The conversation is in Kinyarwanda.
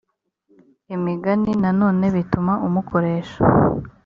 imigani nanone bituma umukoresha